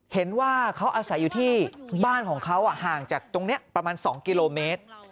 เห็นว่าเขาอาศัยอยู่ที่บ้านของเขาห่างจากตรงนี้ประมาณ๒กิโลเมตร